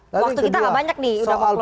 waktu kita gak banyak nih udah mau close